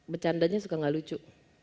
bercandanya suka gak lucu